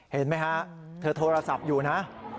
เห็นไหมฮะเธอโทรศัพท์อยู่นะ